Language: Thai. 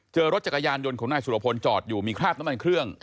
เจอรถจักรยานยนต์ของนายสุรพลจอดอยู่มีคราบน้ำมันเครื่อง